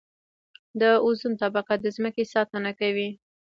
د اوزون طبقه د ځمکې ساتنه کوي